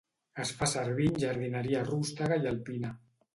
Es fa servir en jardineria rústega i alpina.